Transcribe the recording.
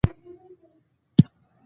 باز هېڅکله له هدفه نه ګرځي